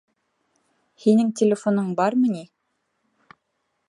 Һинең телефоның бармы ни?